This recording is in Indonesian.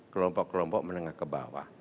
kelompok kelompok menengah ke bawah